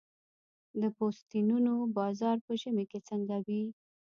د پوستینونو بازار په ژمي کې څنګه وي؟